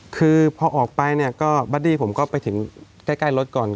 คือพอออกไปเนี่ยก็บัดดี้ผมก็ไปถึงใกล้รถก่อน